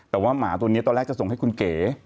แต่ว่าหมาตัวนี้ตอนแรกจะส่งให้คุณเก๋